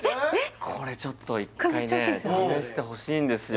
これちょっと一回ね試してほしいんですよ